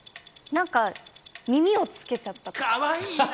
何か、耳をつけちゃった？